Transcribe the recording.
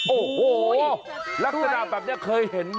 โอ้โหลักษณะแบบนี้เคยเห็นไหม